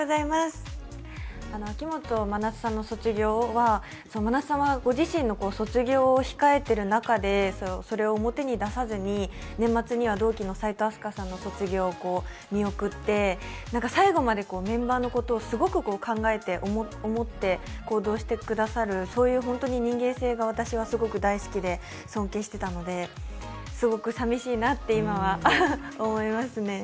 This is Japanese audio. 秋元真夏さんの卒業は真夏さんの卒業も控えてるのにそれを表に出さずに年末には同期の齋藤飛鳥さんの卒業を見送って最後までメンバーのことをすごく考えて、思って、行動してくださる、本当にそういう人間性がすごく大好きで尊敬していたので、すごくさみしいなって今は思いますね。